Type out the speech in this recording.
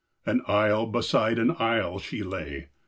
An isle beside an isle she lay.